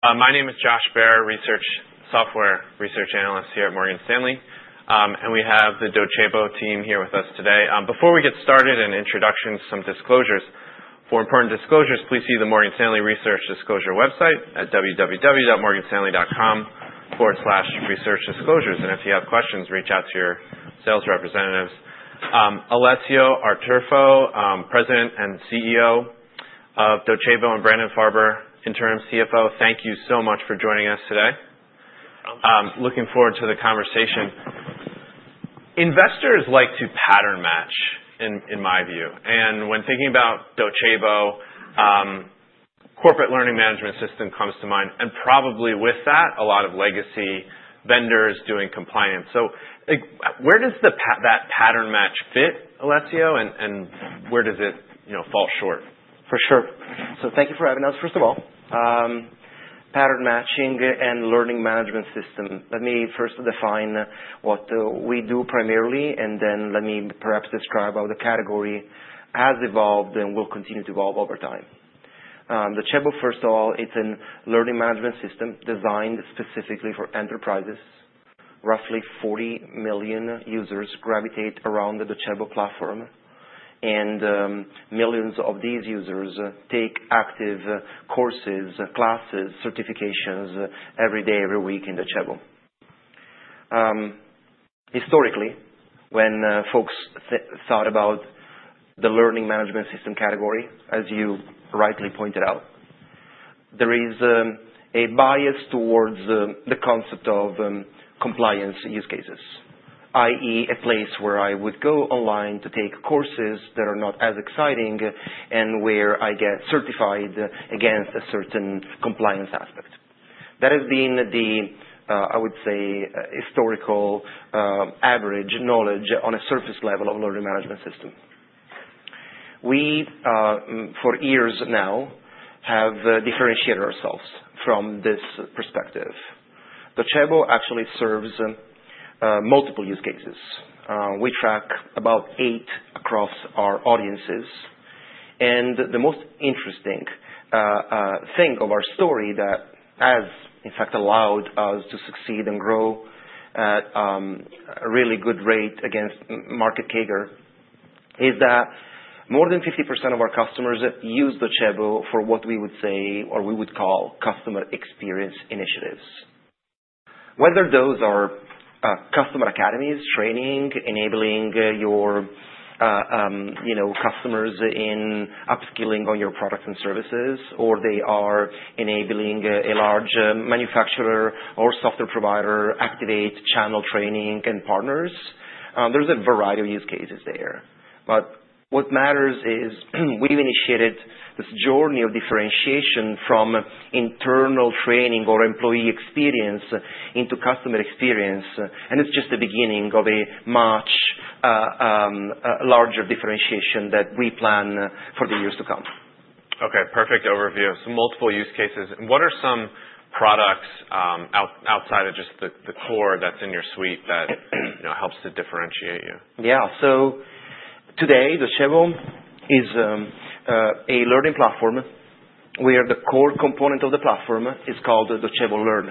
My name is Josh Baer, Research Software Research Analyst here at Morgan Stanley, and we have the Docebo team here with us today. Before we get started and introductions, some disclosures. For important disclosures, please see the Morgan Stanley Research Disclosure website at www.morganstanley.com/researchdisclosures, and if you have questions, reach out to your sales representatives. Alessio Artuffo, President and CEO of Docebo, and Brandon Farber, Interim CFO, thank you so much for joining us today. No problem. Looking forward to the conversation. Investors like to pattern match, in my view. When thinking about Docebo, Corporate Learning Management System comes to mind, and probably with that, a lot of legacy vendors doing compliance. Where does that pattern match fit, Alessio, and where does it fall short? For sure. So thank you for having us. First of all, pattern matching and Learning Management System. Let me first define what we do primarily, and then let me perhaps describe how the category has evolved and will continue to evolve over time. Docebo, first of all, it's a Learning Management System designed specifically for enterprises. Roughly 40 million users gravitate around the Docebo platform, and millions of these users take active courses, classes, certifications every day, every week in Docebo. Historically, when folks thought about the Learning Management System category, as you rightly pointed out, there is a bias towards the concept of compliance use cases, i.e., a place where I would go online to take courses that are not as exciting and where I get certified against a certain compliance aspect. That has been the, I would say, historical average knowledge on a surface level of Learning Management System. We, for years now, have differentiated ourselves from this perspective. Docebo actually serves multiple use cases. We track about eight across our audiences, and the most interesting thing of our story that has, in fact, allowed us to succeed and grow at a really good rate against market CAGR is that more than 50% of our customers use Docebo for what we would say, or we would call, customer experience initiatives. Whether those are customer academies, training, enabling your customers in upskilling on your products and services, or they are enabling a large manufacturer or software provider to activate channel training and partners, there's a variety of use cases there, but what matters is we've initiated this journey of differentiation from internal training or employee experience into customer experience. It's just the beginning of a much larger differentiation that we plan for the years to come. OK, perfect overview of some multiple use cases. What are some products outside of just the core that's in your suite that helps to differentiate you? Yeah, so today, Docebo is a learning platform where the core component of the platform is called Docebo Learn.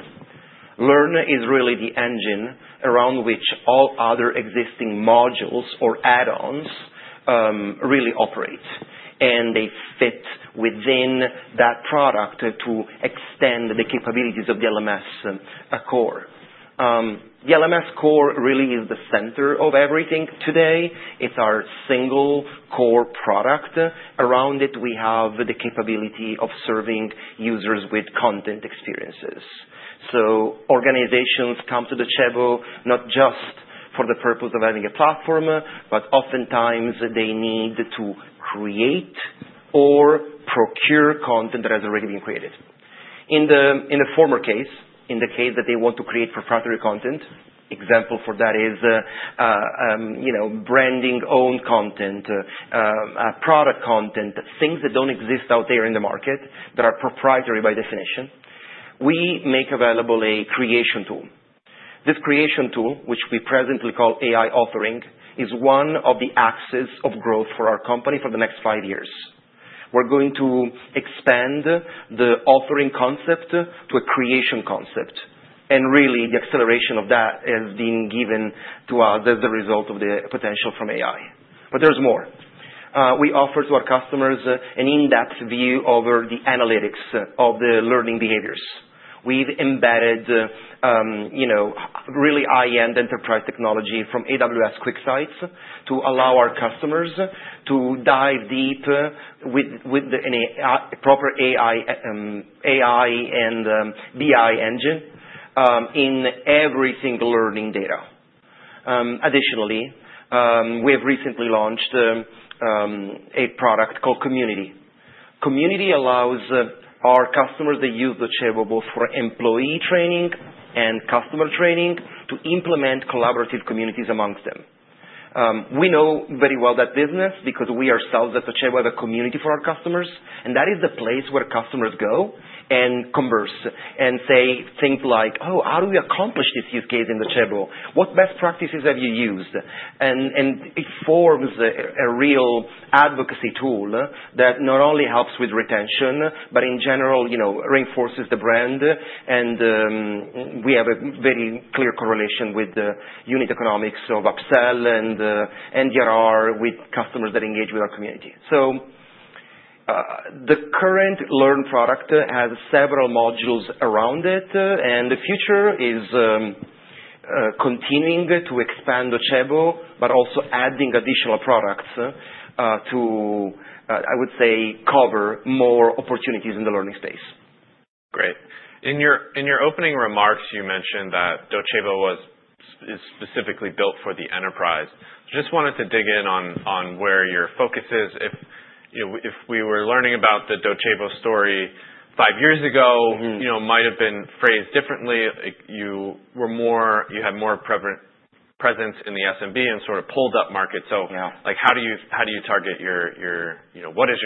Learn is really the engine around which all other existing modules or add-ons really operate, and they fit within that product to extend the capabilities of the LMS core. The LMS core really is the center of everything today. It's our single-core product. Around it, we have the capability of serving users with content experiences. So organizations come to Docebo not just for the purpose of having a platform, but oftentimes they need to create or procure content that has already been created. In the former case, in the case that they want to create proprietary content, an example for that is branding-owned content, product content, things that don't exist out there in the market that are proprietary by definition. We make available a creation tool. This creation tool, which we presently call AI Authoring, is one of the axes of growth for our company for the next five years. We're going to expand the authoring concept to a creation concept. And really, the acceleration of that has been given to us as a result of the potential from AI. But there's more. We offer to our customers an in-depth view over the analytics of the learning behaviors. We've embedded really high-end enterprise technology from AWS QuickSight to allow our customers to dive deep with a proper AI and BI engine in every single learning data. Additionally, we have recently launched a product called Community. Community allows our customers that use Docebo both for employee training and customer training to implement collaborative communities among them. We know very well that business because we ourselves at Docebo have a community for our customers. That is the place where customers go and converse and say things like, oh, how do we accomplish this use case in Docebo? What best practices have you used? And it forms a real advocacy tool that not only helps with retention, but in general, reinforces the brand. And we have a very clear correlation with the unit economics of upsell and NDRR with customers that engage with our community. So the current Learn product has several modules around it. And the future is continuing to expand Docebo, but also adding additional products to, I would say, cover more opportunities in the learning space. Great. In your opening remarks, you mentioned that Docebo was specifically built for the enterprise. Just wanted to dig in on where your focus is. If we were learning about the Docebo story five years ago, it might have been phrased differently. You had more presence in the SMB and sort of pulled up market. So how do you target your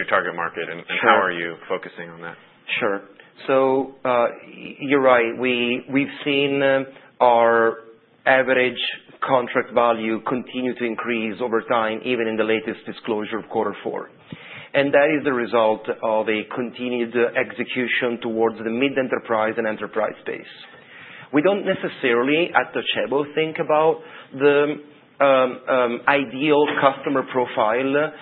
target market, and how are you focusing on that? Sure. So you're right. We've seen our average contract value continue to increase over time, even in the latest disclosure of quarter four, and that is the result of a continued execution towards the mid-enterprise and enterprise space. We don't necessarily at Docebo think about the ideal customer profile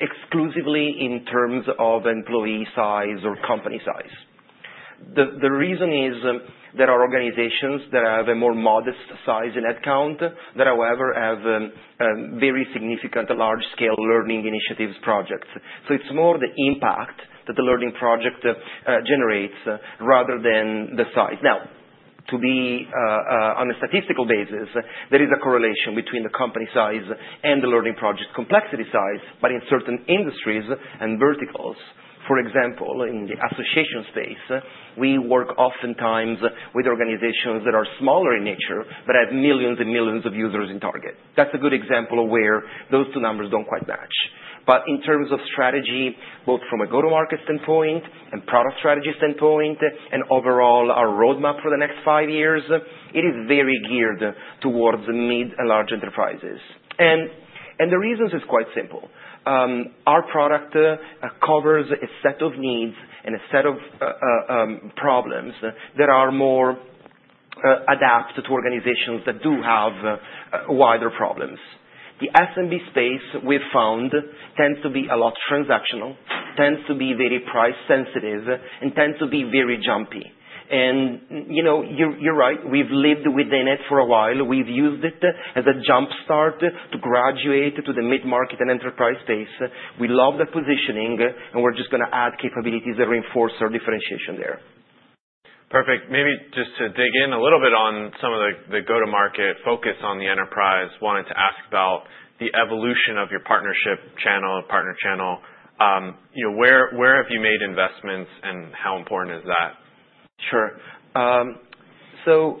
exclusively in terms of employee size or company size. The reason is there are organizations that have a more modest size in headcount that, however, have very significant large-scale learning initiatives projects. So it's more the impact that the learning project generates rather than the size, so it's more the impact that the learning project generates rather than the size. Now, to be on a statistical basis, there is a correlation between the company size and the learning project complexity size, but in certain industries and verticals, for example, in the association space, we work oftentimes with organizations that are smaller in nature but have millions and millions of users in target. That's a good example of where those two numbers don't quite match. But in terms of strategy, both from a go-to-market standpoint and product strategy standpoint, and overall our roadmap for the next five years, it is very geared towards mid and large enterprises. And the reason is quite simple. Our product covers a set of needs and a set of problems that are more adapted to organizations that do have wider problems. The SMB space we've found tends to be a lot transactional, tends to be very price sensitive, and tends to be very jumpy. And you're right. We've lived within it for a while. We've used it as a jump start to graduate to the mid-market and enterprise space. We love that positioning. And we're just going to add capabilities that reinforce our differentiation there. Perfect. Maybe just to dig in a little bit on some of the go-to-market focus on the enterprise, I wanted to ask about the evolution of your partnership channel, partner channel. Where have you made investments, and how important is that? Sure. So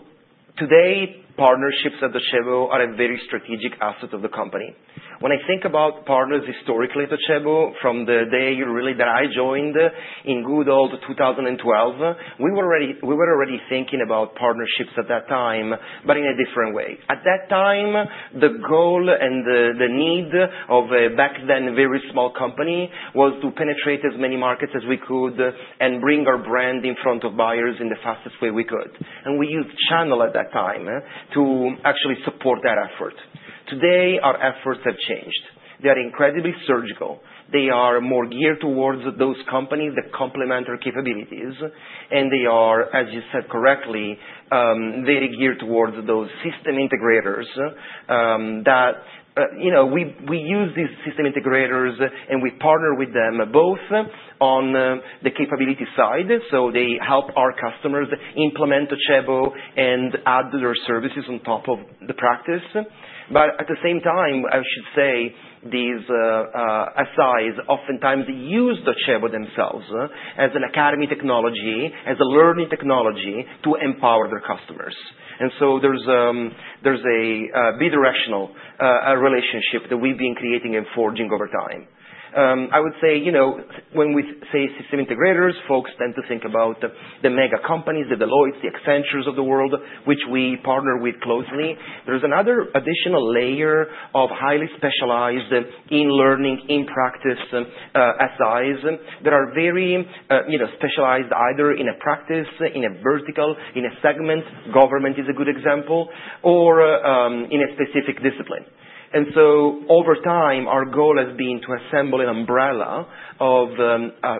today, partnerships at Docebo are a very strategic asset of the company. When I think about partners historically at Docebo, from the day really that I joined in good old 2012, we were already thinking about partnerships at that time, but in a different way. At that time, the goal and the need of a back then very small company was to penetrate as many markets as we could and bring our brand in front of buyers in the fastest way we could, and we used channel at that time to actually support that effort. Today, our efforts have changed. They are incredibly surgical. They are more geared towards those companies that complement our capabilities, and they are, as you said correctly, very geared towards those system integrators that we use, and we partner with them both on the capability side. So they help our customers implement Docebo and add their services on top of the practice. But at the same time, I should say, these SIs oftentimes use Docebo themselves as an academy technology, as a learning technology to empower their customers. And so there's a bidirectional relationship that we've been creating and forging over time. I would say when we say system integrators, folks tend to think about the mega companies, the Deloitte's, the Accenture's of the world, which we partner with closely. There is another additional layer of highly specialized in learning, in practice SIs that are very specialized either in a practice, in a vertical, in a segment. Government is a good example, or in a specific discipline. And so over time, our goal has been to assemble an umbrella of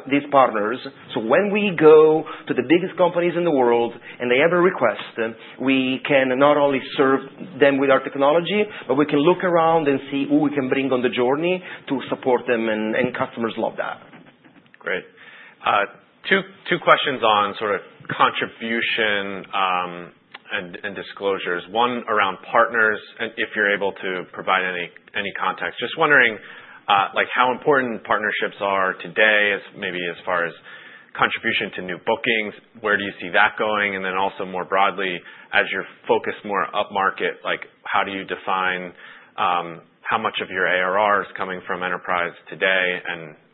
these partners. So when we go to the biggest companies in the world and they have a request, we can not only serve them with our technology, but we can look around and see who we can bring on the journey to support them. And customers love that. Great. Two questions on sort of contribution and disclosures. One around partners and if you're able to provide any context. Just wondering how important partnerships are today, maybe as far as contribution to new bookings. Where do you see that going? And then also more broadly, as you're focused more upmarket, how do you define how much of your ARR is coming from enterprise today,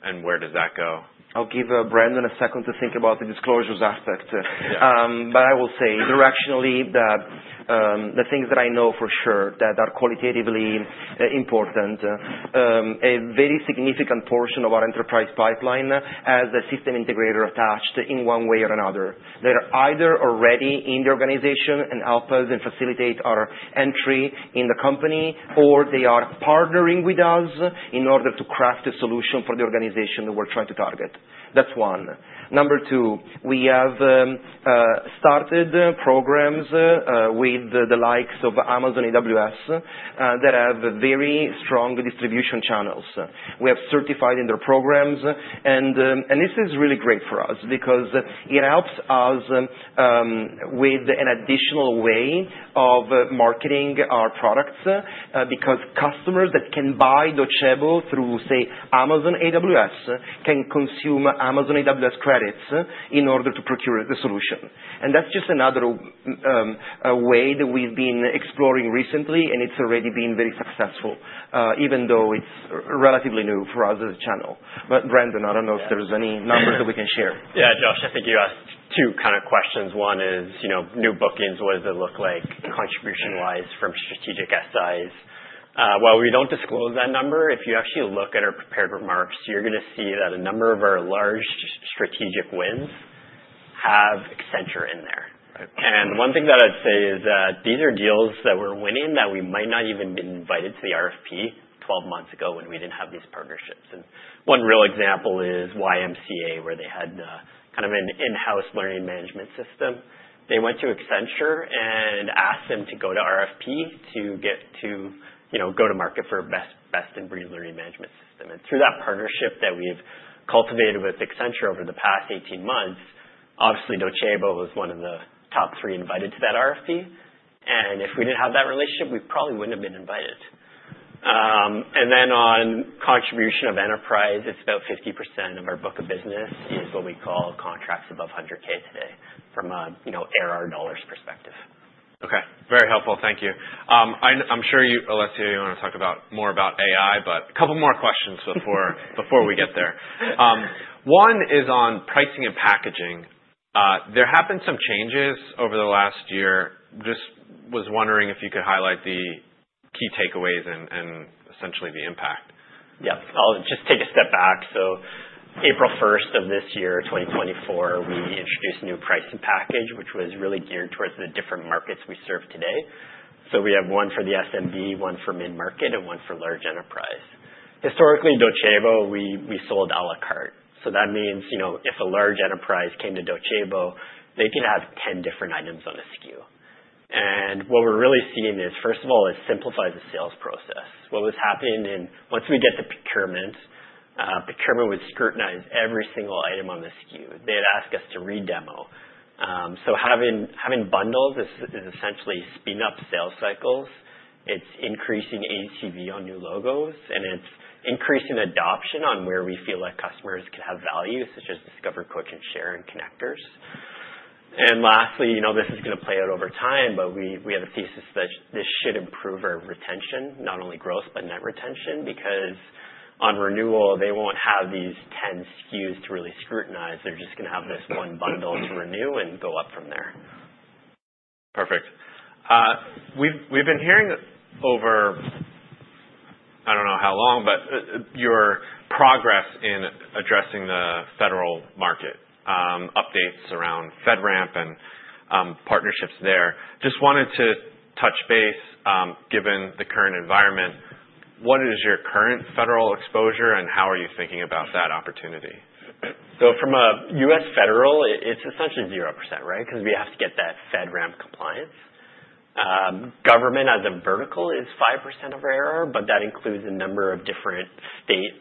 and where does that go? I'll give Brandon a second to think about the disclosures aspect. But I will say directionally, the things that I know for sure that are qualitatively important, a very significant portion of our enterprise pipeline has a system integrator attached in one way or another. They're either already in the organization and help us and facilitate our entry in the company, or they are partnering with us in order to craft a solution for the organization that we're trying to target. That's one. Number two, we have started programs with the likes of Amazon AWS that have very strong distribution channels. We have certified in their programs. And this is really great for us because it helps us with an additional way of marketing our products because customers that can buy Docebo through, say, Amazon AWS can consume Amazon AWS credits in order to procure the solution. That's just another way that we've been exploring recently. It's already been very successful, even though it's relatively new for us as a channel. Brandon, I don't know if there's any numbers that we can share. Yeah, Josh, I think you asked two kind of questions. One is new bookings. What does it look like contribution-wise from strategic SIs? While we don't disclose that number, if you actually look at our prepared remarks, you're going to see that a number of our large strategic wins have Accenture in there. And one thing that I'd say is that these are deals that we're winning that we might not even have been invited to the RFP 12 months ago when we didn't have these partnerships. And one real example is YMCA, where they had kind of an in-house Learning Management System. They went to Accenture and asked them to go to RFP to get to go-to-market for best-in-breed Learning Management System. Through that partnership that we've cultivated with Accenture over the past 18 months, obviously, Docebo was one of the top three invited to that RFP. If we didn't have that relationship, we probably wouldn't have been invited. On contribution of enterprise, it's about 50% of our book of business is what we call contracts above $100,000 today from an ARR dollars perspective. OK. Very helpful. Thank you. I'm sure you, Alessio, you want to talk more about AI. But a couple more questions before we get there. One is on pricing and packaging. There have been some changes over the last year. Just was wondering if you could highlight the key takeaways and essentially the impact. Yeah. I'll just take a step back. So April 1st of this year, 2024, we introduced a new pricing package, which was really geared towards the different markets we serve today. So we have one for the SMB, one for mid-market, and one for large enterprise. Historically, Docebo, we sold à la carte. So that means if a large enterprise came to Docebo, they could have 10 different items on a SKU. And what we're really seeing is, first of all, it simplifies the sales process. What was happening once we get the procurement, procurement would scrutinize every single item on the SKU. They'd ask us to re-demo. So having bundles is essentially speeding up sales cycles. It's increasing ACV on new logos. And it's increasing adoption on where we feel like customers could have value, such as Discover, Coach & Share and Connectors. And lastly, this is going to play out over time. But we have a thesis that this should improve our retention, not only growth, but net retention, because on renewal, they won't have these 10 SKUs to really scrutinize. They're just going to have this one bundle to renew and go up from there. Perfect. We've been hearing over, I don't know how long, but your progress in addressing the federal market updates around FedRAMP and partnerships there. Just wanted to touch base, given the current environment. What is your current federal exposure, and how are you thinking about that opportunity? So from a U.S. federal, it's essentially 0%, right? Because we have to get that FedRAMP compliance. Government as a vertical is 5% of our ARR. But that includes a number of different state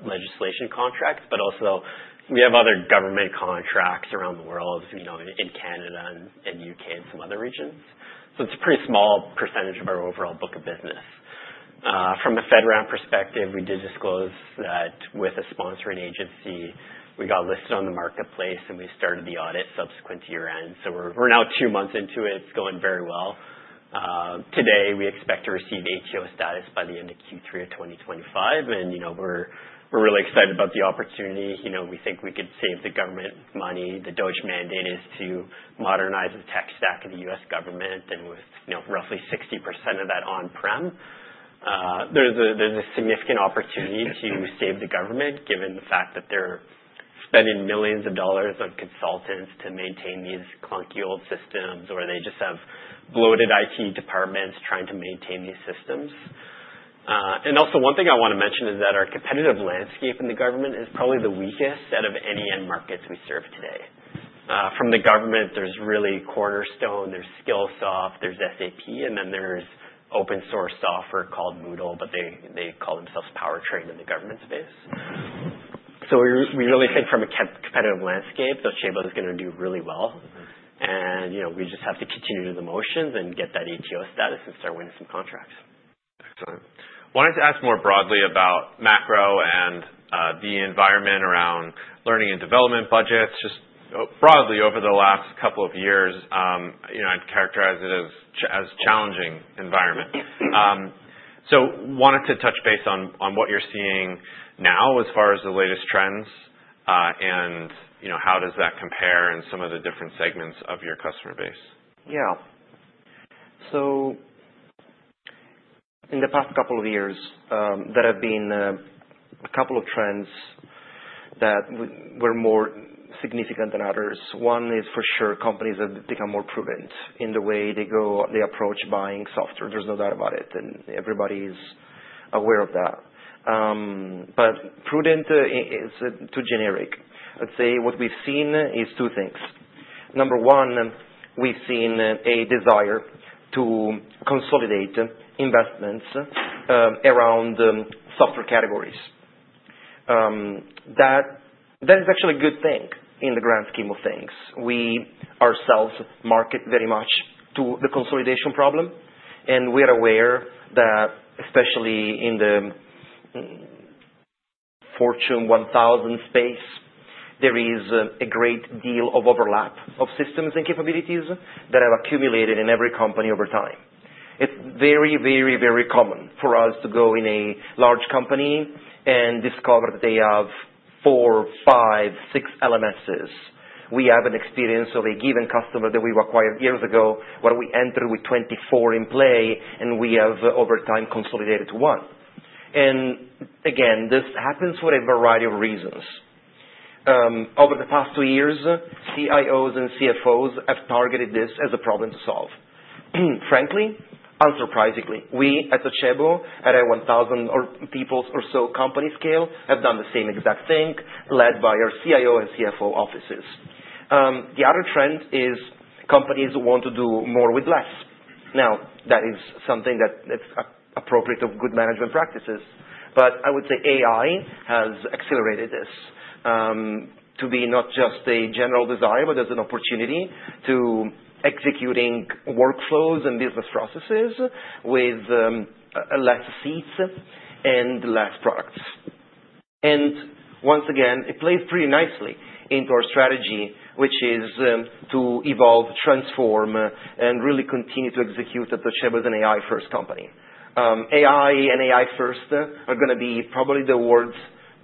legislation contracts. But also, we have other government contracts around the world, in Canada and the U.K. and some other regions. So it's a pretty small percentage of our overall book of business. From a FedRAMP perspective, we did disclose that with a sponsoring agency, we got listed on the marketplace, and we started the audit subsequent to year-end. So we're now two months into it. It's going very well. To date, we expect to receive ATO status by the end of Q3 of 2025. And we're really excited about the opportunity. We think we could save the government money. The DOGE mandate is to modernize the tech stack of the U.S. government. And with roughly 60% of that on-prem, there's a significant opportunity to save the government, given the fact that they're spending millions of dollars on consultants to maintain these clunky old systems, or they just have bloated IT departments trying to maintain these systems. And also, one thing I want to mention is that our competitive landscape in the government is probably the weakest out of any end markets we serve today. From the government, there's really Cornerstone, there's Skillsoft, there's SAP, and then there's open source software called Moodle. But they call themselves PowerTrain in the government space. So we really think from a competitive landscape, Docebo is going to do really well. And we just have to continue the motions and get that ATO status and start winning some contracts. Excellent. I wanted to ask more broadly about macro and the environment around Learning and Development budgets, just broadly over the last couple of years. I'd characterize it as a challenging environment. So I wanted to touch base on what you're seeing now as far as the latest trends. And how does that compare in some of the different segments of your customer base? Yeah, so in the past couple of years, there have been a couple of trends that were more significant than others. One is, for sure, companies have become more prudent in the way they approach buying software. There's no doubt about it, and everybody is aware of that, but prudent is too generic. I'd say what we've seen is two things. Number one, we've seen a desire to consolidate investments around software categories. That is actually a good thing in the grand scheme of things. We ourselves market very much to the consolidation problem, and we are aware that especially in the Fortune 1000 space, there is a great deal of overlap of systems and capabilities that have accumulated in every company over time. It's very, very, very common for us to go in a large company and discover that they have four, five, six LMSs. We have an experience of a given customer that we've acquired years ago where we entered with 24 in play, and we have over time consolidated to one. And again, this happens for a variety of reasons. Over the past two years, CIOs and CFOs have targeted this as a problem to solve. Frankly, unsurprisingly, we at Docebo at a 1,000 people or so company scale have done the same exact thing, led by our CIO and CFO offices. The other trend is companies want to do more with less. Now, that is something that is appropriate of good management practices. But I would say AI has accelerated this to be not just a general desire, but as an opportunity to execute workflows and business processes with less seats and less products. Once again, it plays pretty nicely into our strategy, which is to evolve, transform, and really continue to execute that Docebo is an AI-first company. AI and AI-first are going to be probably the words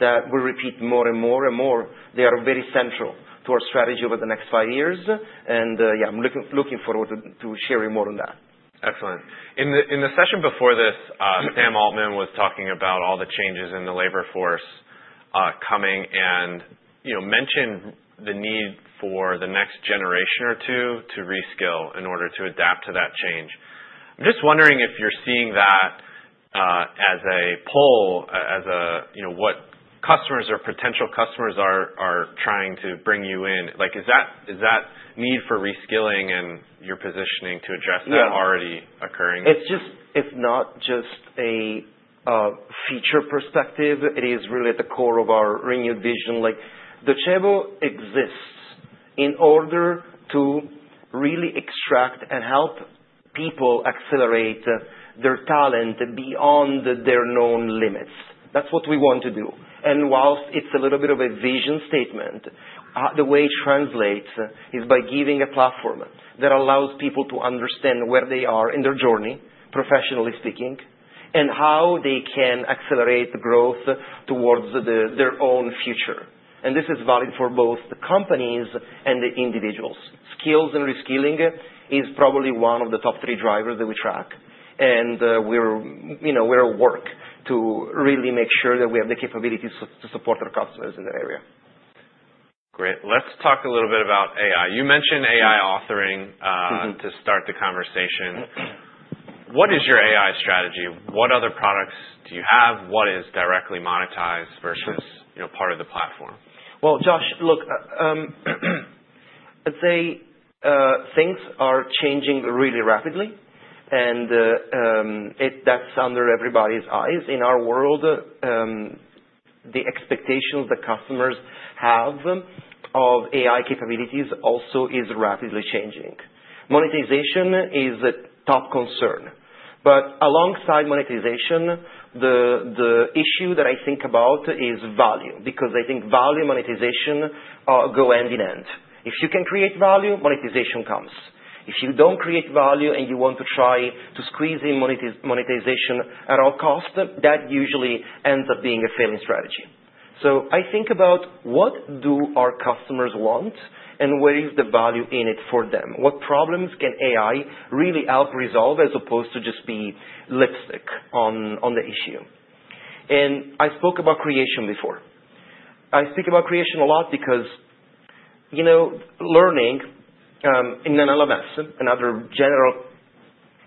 that we repeat more and more and more. They are very central to our strategy over the next five years. Yeah, I'm looking forward to sharing more on that. Excellent. In the session before this, Sam Altman was talking about all the changes in the labor force coming and mentioned the need for the next generation or two to reskill in order to adapt to that change. I'm just wondering if you're seeing that as a pull, as what customers or potential customers are trying to bring you in. Is that need for reskilling and your positioning to address that already occurring? It's not just a feature perspective. It is really at the core of our renewed vision. Docebo exists in order to really extract and help people accelerate their talent beyond their known limits. That's what we want to do. And while it's a little bit of a vision statement, the way it translates is by giving a platform that allows people to understand where they are in their journey, professionally speaking, and how they can accelerate the growth towards their own future. And this is valid for both the companies and the individuals. Skills and reskilling is probably one of the top three drivers that we track. And we're at work to really make sure that we have the capabilities to support our customers in that area. Great. Let's talk a little bit about AI. You mentioned AI authoring to start the conversation. What is your AI strategy? What other products do you have? What is directly monetized versus part of the platform? Josh, look, I'd say things are changing really rapidly. That's under everybody's eyes in our world. The expectations that customers have of AI capabilities also is rapidly changing. Monetization is a top concern. Alongside monetization, the issue that I think about is value, because I think value and monetization go hand in hand. If you can create value, monetization comes. If you don't create value and you want to try to squeeze in monetization at all costs, that usually ends up being a failing strategy. I think about what do our customers want, and where is the value in it for them? What problems can AI really help resolve as opposed to just be lipstick on the issue? I spoke about creation before. I speak about creation a lot because learning in an LMS, another general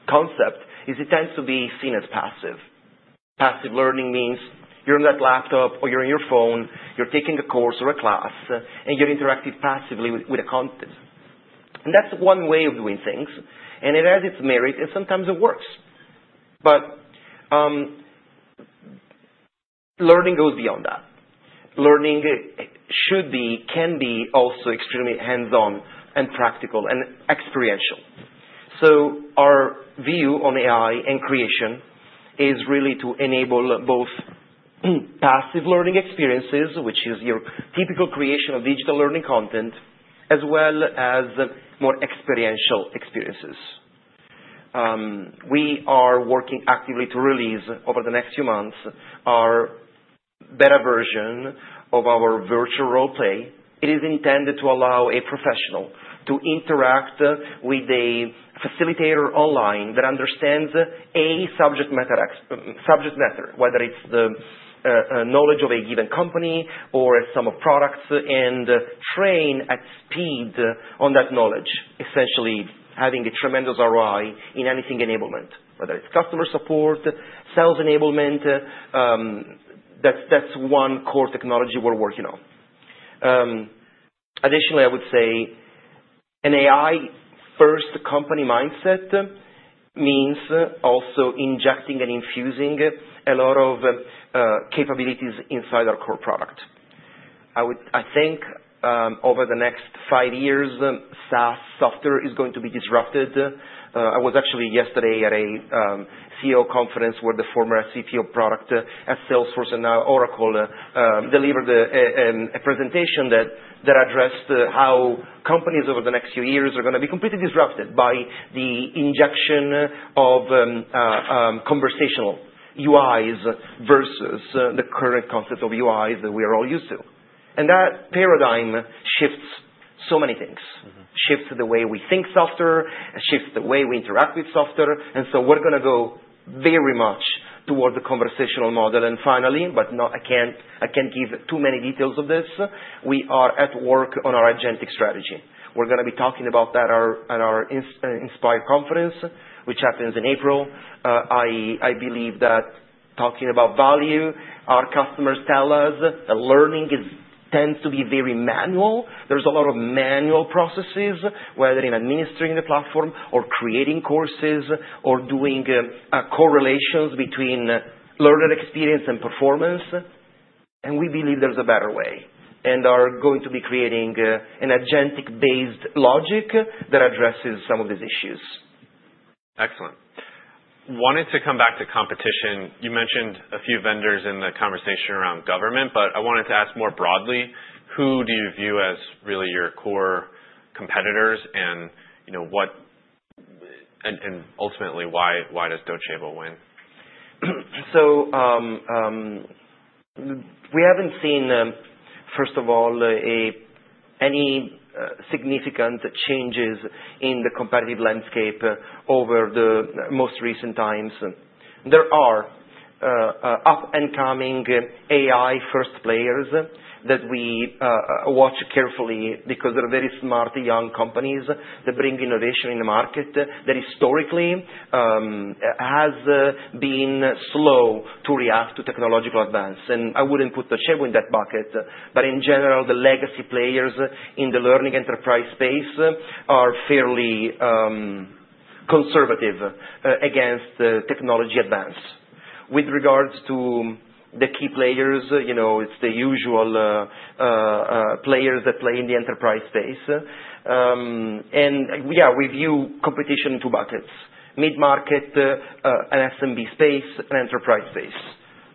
concept, is, it tends to be seen as passive. Passive learning means you're on that laptop, or you're on your phone, you're taking a course or a class, and you're interacting passively with the content. That's one way of doing things. It has its merits, and sometimes it works. Learning goes beyond that. Learning should be, can be also extremely hands-on and practical and experiential. Our view on AI and creation is really to enable both passive learning experiences, which is your typical creation of digital learning content, as well as more experiential experiences. We are working actively to release, over the next few months, our beta version of our virtual role play. It is intended to allow a professional to interact with a facilitator online that understands a subject matter, whether it's the knowledge of a given company or a some of products, and train at speed on that knowledge, essentially having a tremendous ROI in anything enablement, whether it's customer support, sales enablement. That's one core technology we're working on. Additionally, I would say an AI-first company mindset means also injecting and infusing a lot of capabilities inside our core product. I think over the next five years, SaaS software is going to be disrupted. I was actually yesterday at a CEO conference where the former CTO product at Salesforce and now Oracle delivered a presentation that addressed how companies over the next few years are going to be completely disrupted by the injection of conversational UIs versus the current concept of UIs that we are all used to. And that paradigm shifts so many things, shifts the way we think software, shifts the way we interact with software. And so we're going to go very much towards a conversational model. And finally, but I can't give too many details of this, we are at work on our agentic strategy. We're going to be talking about that at our Inspire conference, which happens in April. I believe that talking about value, our customers tell us that learning tends to be very manual. There's a lot of manual processes, whether in administering the platform or creating courses or doing correlations between learner experience and performance. And we believe there's a better way and are going to be creating an agentic-based logic that addresses some of these issues. Excellent. I wanted to come back to competition. You mentioned a few vendors in the conversation around government. But I wanted to ask more broadly, who do you view as really your core competitors? And ultimately, why does Docebo win? So we haven't seen, first of all, any significant changes in the competitive landscape over the most recent times. There are up-and-coming AI-first players that we watch carefully because they're very smart young companies that bring innovation in the market that historically has been slow to react to technological advance. And I wouldn't put Docebo in that bucket. But in general, the legacy players in the learning enterprise space are fairly conservative against technology advance. With regards to the key players, it's the usual players that play in the enterprise space. And yeah, we view competition in two buckets: mid-market and SMB space and enterprise space.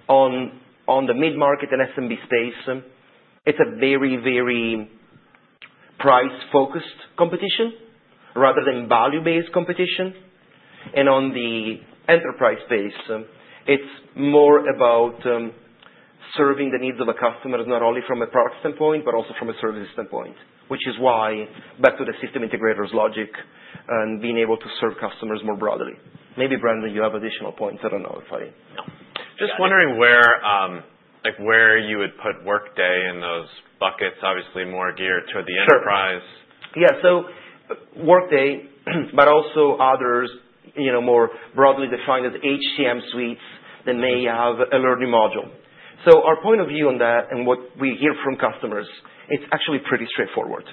On the mid-market and SMB space, it's a very, very price-focused competition rather than value-based competition. On the enterprise space, it's more about serving the needs of a customer not only from a product standpoint, but also from a service standpoint, which is why back to the system integrators logic and being able to serve customers more broadly. Maybe, Brandon, you have additional points. I don't know if I know. Just wondering where you would put Workday in those buckets, obviously more geared toward the enterprise. Yeah. So Workday, but also others more broadly defined as HCM suites that may have a learning module. So our point of view on that and what we hear from customers, it's actually pretty straightforward.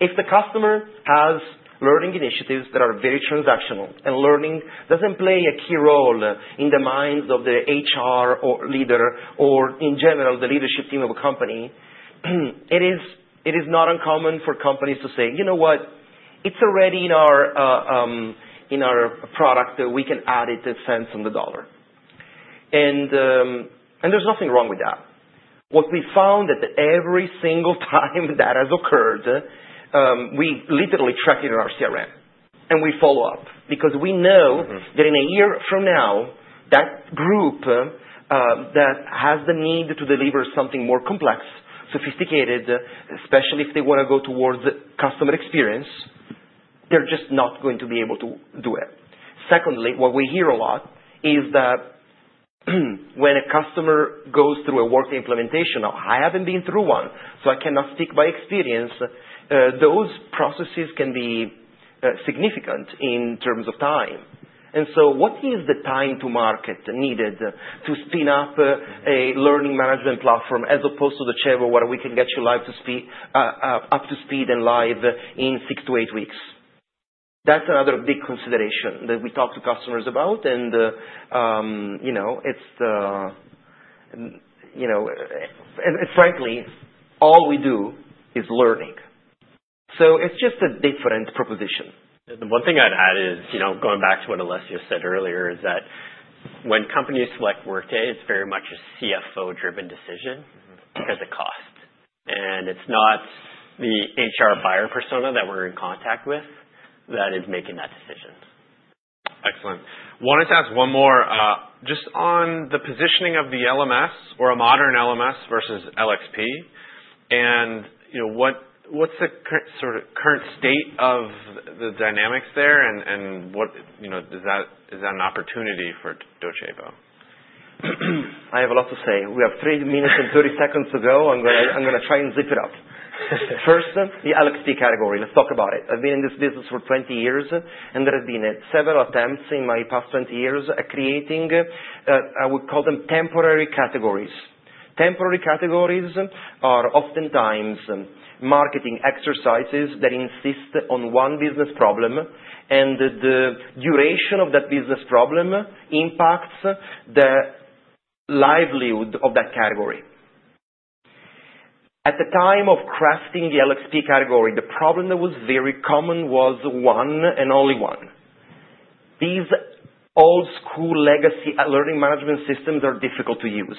If the customer has learning initiatives that are very transactional and learning doesn't play a key role in the minds of the HR or leader or, in general, the leadership team of a company, it is not uncommon for companies to say, you know what, it's already in our product. We can add it to the cents on the dollar. And there's nothing wrong with that. What we found is that every single time that has occurred, we literally track it in our CRM. And we follow up because we know that in a year from now, that group that has the need to deliver something more complex, sophisticated, especially if they want to go towards customer experience, they're just not going to be able to do it. Secondly, what we hear a lot is that when a customer goes through a Workday implementation (I haven't been through one, so I cannot speak from experience) those processes can be significant in terms of time. And so what is the time to market needed to spin up a learning management platform as opposed to Docebo where we can get you up to speed and live in six to eight weeks? That's another big consideration that we talk to customers about. And frankly, all we do is learning. So it's just a different proposition. The one thing I'd add is going back to what Alessio said earlier is that when companies select Workday, it's very much a CFO-driven decision because it costs, and it's not the HR buyer persona that we're in contact with that is making that decision. Excellent. I wanted to ask one more just on the positioning of the LMS or a modern LMS versus LXP, and what's the current state of the dynamics there, and is that an opportunity for Docebo? I have a lot to say. We have three minutes and 30 seconds to go. I'm going to try and zip it up. First, the LXP category. Let's talk about it. I've been in this business for 20 years, and there have been several attempts in my past 20 years at creating what we call temporary categories. Temporary categories are oftentimes marketing exercises that insist on one business problem, and the duration of that business problem impacts the livelihood of that category. At the time of crafting the LXP category, the problem that was very common was one and only one. These old-school legacy Learning Management Systems are difficult to use.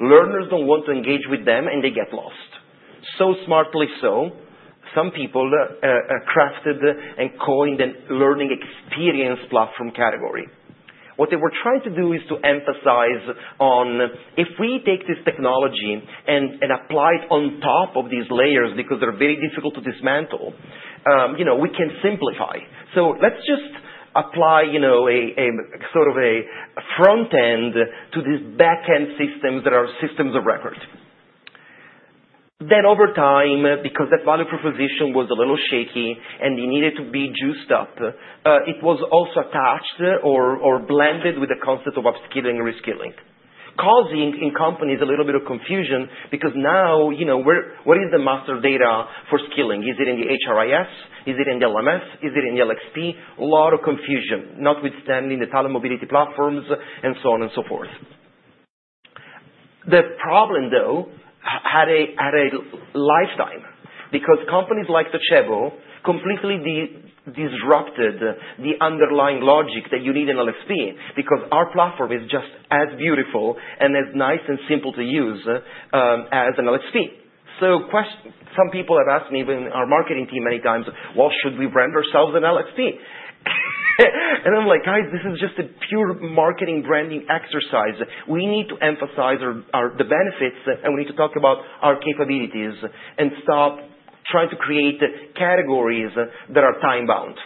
Learners don't want to engage with them, and they get lost. So smartly so, some people crafted and coined a learning experience platform category. What they were trying to do is to emphasize on, if we take this technology and apply it on top of these layers because they're very difficult to dismantle, we can simplify. So let's just apply sort of a front end to these back-end systems that are systems of record. Then over time, because that value proposition was a little shaky and it needed to be juiced up, it was also attached or blended with the concept of upskilling and reskilling, causing in companies a little bit of confusion because now what is the master data for skilling? Is it in the HRIS? Is it in the LMS? Is it in the LXP? A lot of confusion, notwithstanding the Talent Mobility platforms and so on and so forth. The problem, though, had a lifetime because companies like Docebo completely disrupted the underlying logic that you need in LXP because our platform is just as beautiful and as nice and simple to use as an LXP, so some people have asked me in our marketing team many times, well, should we brand ourselves an LXP, and I'm like, guys, this is just a pure marketing branding exercise. We need to emphasize the benefits, and we need to talk about our capabilities and stop trying to create categories that are time-bound.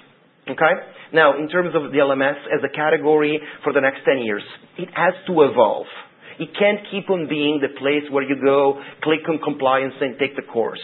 Now, in terms of the LMS as a category for the next 10 years, it has to evolve. It can't keep on being the place where you go, click on compliance, and take the course.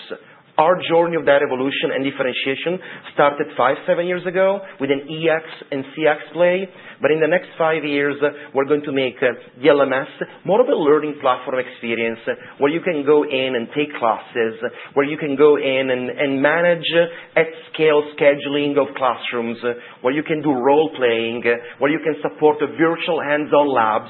Our journey of that evolution and differentiation started five, seven years ago with an EX and CX play. But in the next five years, we're going to make the LMS more of a learning platform experience where you can go in and take classes, where you can go in and manage at scale scheduling of classrooms, where you can do role playing, where you can support virtual hands-on labs,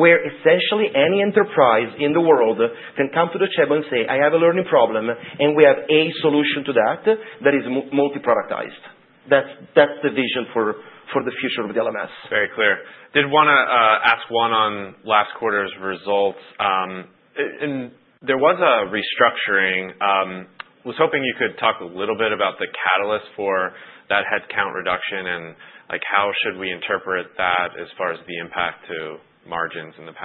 where essentially any enterprise in the world can come to Docebo and say, I have a learning problem, and we have a solution to that that is multi-productized. That's the vision for the future of the LMS. Very clear. Did want to ask one on last quarter's results. And there was a restructuring. I was hoping you could talk a little bit about the catalyst for that headcount reduction and how should we interpret that as far as the impact to margins and the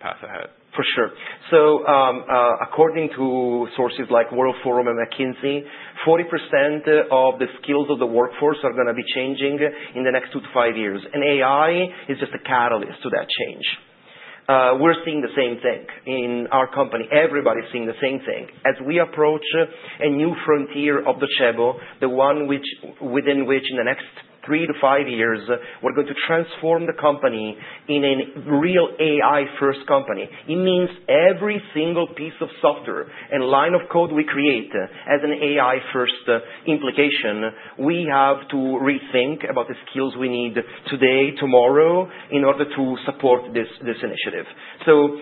path ahead. For sure. So according to sources like World Forum and McKinsey, 40% of the skills of the workforce are going to be changing in the next two to five years. And AI is just a catalyst to that change. We're seeing the same thing in our company. Everybody's seeing the same thing. As we approach a new frontier of Docebo, the one within which in the next three to five years, we're going to transform the company in a real AI-first company. It means every single piece of software and line of code we create has an AI-first implication. We have to rethink about the skills we need today, tomorrow, in order to support this initiative. So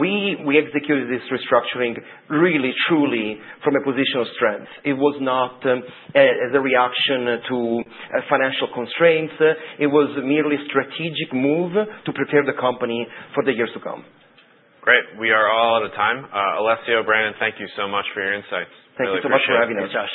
we executed this restructuring really, truly from a position of strength. It was not as a reaction to financial constraints. It was merely a strategic move to prepare the company for the years to come. Great. We are all out of time. Alessio, Brandon, thank you so much for your insights. Thank you so much for having us.